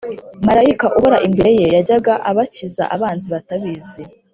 Malayika uhora imbere ye yajyaga abakiza abanzi batabizi